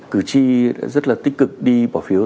cử tri rất là tích cực đi bỏ phiếu